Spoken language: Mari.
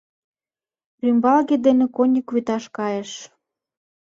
Рӱмбалге дене коньык вӱташ кайыш.